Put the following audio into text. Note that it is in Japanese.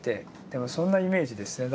でもそんなイメージですね。